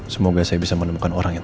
semoga saya bisa menemukan orang yang